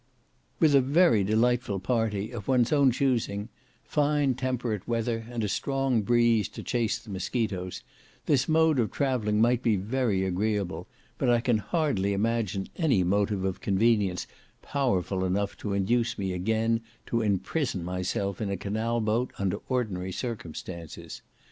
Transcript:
With a very delightful party, of one's own choosing, fine temperate weather, and a strong breeze to chase the mosquitos, this mode of travelling might be very agreeable, but I can hardly imagine any motive of convenience powerful enough to induce me again to imprison myself in a canal boat under ordinary circumstances.